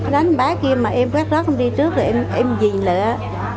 đánh bá kia mà em quét rớt không đi trước rồi em dì lại